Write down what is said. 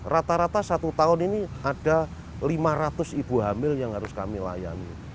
rata rata satu tahun ini ada lima ratus ibu hamil yang harus kami layani